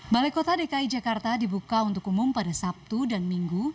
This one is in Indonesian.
balai kota dki jakarta dibuka untuk umum pada sabtu dan minggu